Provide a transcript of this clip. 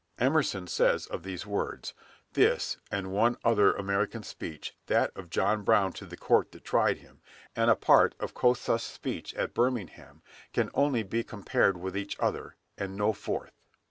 Emerson says of these words, "This, and one other American speech, that of John Brown to the court that tried him, and a part of Kossuth's speech at Birmingham, can only be compared with each other, and no fourth."